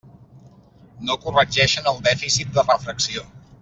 No corregeixen el dèficit de refracció.